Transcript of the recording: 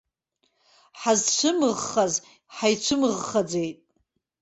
Ҳазцәымыӷхаз ҳаицәымыӷхаӡеит.